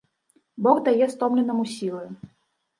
Бог дае стомленаму сілы.